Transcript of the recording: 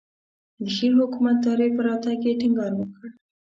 د ښې حکومتدارۍ پر راتګ یې ټینګار وکړ.